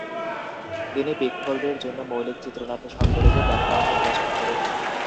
তিনি পিকফোর্ডের জন্য মৌলিক চিত্রনাট্য সংবলিত দ্য ফাউন্ডিং রচনা করেন।